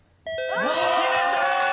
決めたー！